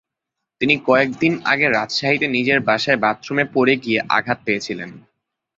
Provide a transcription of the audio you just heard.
তিনি কয়েক দিন আগে রাজশাহীতে নিজের বাসায় বাথরুমে পড়ে গিয়ে আঘাত পেয়েছিলেন।